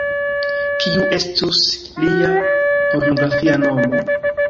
Kiu estus lia pornografia nomo?